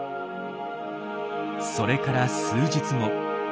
それから数日後。